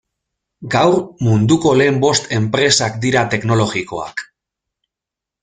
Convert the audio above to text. Gaur munduko lehen bost enpresak dira teknologikoak.